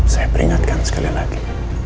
saya peringatkan sekali lagi